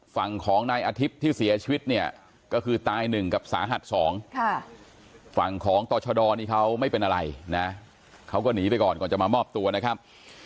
ฝั่งของนายอาทิตย์ที่เสียชีวิตเนี่ยก็คือตาย๑กับสาหัส๒ฝั่งของต่อชะดอนี่เขาไม่เป็นอะไรนะเขาก็หนีไปก่อนก่อนจะมามอบตัวนะครับ